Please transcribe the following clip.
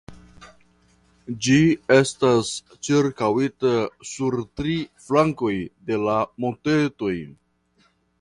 Ĝi estas ĉirkaŭita sur tri flankoj de la montetoj.